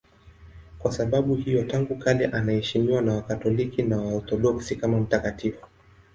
Kwa sababu hiyo tangu kale anaheshimiwa na Wakatoliki na Waorthodoksi kama mtakatifu.